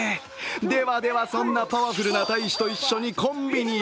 ではでは、そんなパワフルな大使と一緒にコンビニへ。